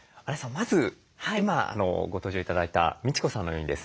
まず今ご登場頂いたみち子さんのようにですね